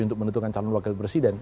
untuk menentukan calon wakil presiden